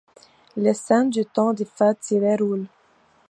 Les scènes du temps des fêtes s'y déroulent.